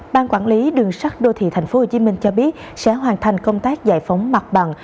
ban quản lý đường sắt đô thị tp hcm cho biết sẽ hoàn thành công tác giải phóng mặt bằng